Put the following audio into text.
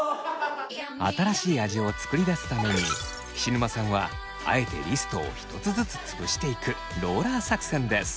新しい味を作り出すために菱沼さんはあえてリストを１つずつつぶしていくローラー作戦です。